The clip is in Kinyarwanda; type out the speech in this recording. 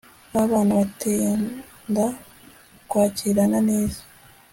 babana batenda kwakirana neza